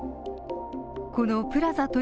このプラザ